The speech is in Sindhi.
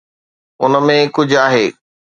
ان ۾ ڪجهه آهي.